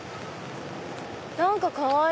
何かかわいい！